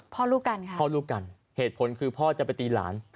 พ่อลูกกันค่ะพ่อลูกกันเหตุผลคือพ่อจะไปตีหลาน